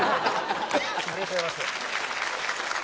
ありがとうございます。